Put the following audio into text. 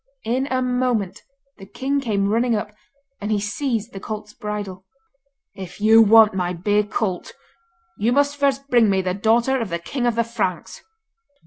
In a moment the king came running up, and he seized the colt's bridle. 'If you want my bay colt, you must first bring me the daughter of the king of the Franks.